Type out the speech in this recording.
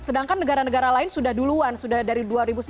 sedangkan negara negara lain sudah duluan sudah dari dua ribu sembilan belas